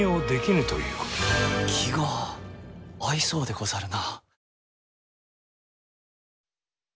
気が合いそうでござるなあ。